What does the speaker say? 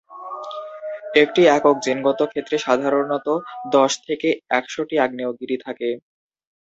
একটি একক জিনগত ক্ষেত্রে সাধারণত দশ থেকে একশটি আগ্নেয়গিরি থাকে।